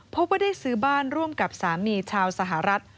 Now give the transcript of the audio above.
พบว่าได้ซื้อบ้านร่วมกับสามีชาวสหรัฐ